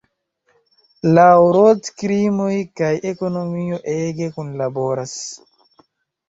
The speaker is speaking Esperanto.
Laŭ Roth krimoj kaj ekonomio ege kunlaboras.